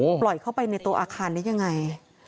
โอ้โหปล่อยเข้าไปในโต๊ะอาคารได้ยังไง